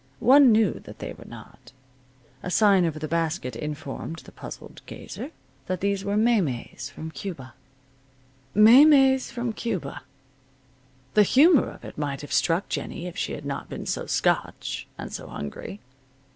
One knew that they were not. A sign over the basket informed the puzzled gazer that these were maymeys from Cuba. Maymeys from Cuba. The humor of it might have struck Jennie if she had not been so Scotch, and so hungry.